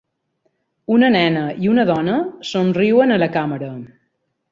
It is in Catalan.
una nena i una dona somriuen a la càmera.